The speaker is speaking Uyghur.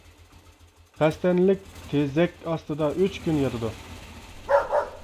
قەستەنلىك تېزەك ئاستىدا ئۈچ كۈن ياتىدۇ.